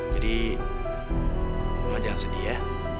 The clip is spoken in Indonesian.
jadi mama jangan sedih ya